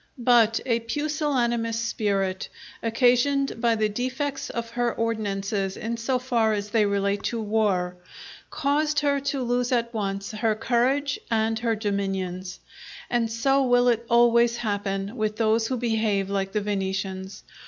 But a pusillanimous spirit, occasioned by the defects of her ordinances in so far as they relate to war, caused her to lose at once her courage and her dominions. And so will it always happen with those who behave like the Venetians.